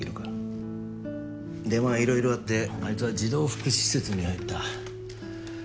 でまあ色々あってあいつは児童福祉施設に入った。